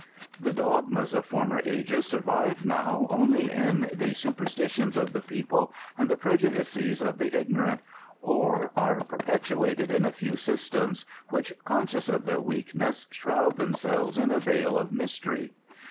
The dogmas of former ages survive now only in the superstitions of the people and the prejudices of the ignorant, or are perpetuated in a few systems, which, conscious of their weakness, shroud themselves in a vail of mystery.